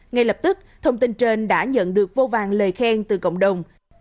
ngay lập tức thông tin trên đã nhận được vô vàng lời khen từ cộng đồng